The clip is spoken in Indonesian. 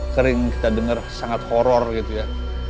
kering kita dengar sangat horor gitu ya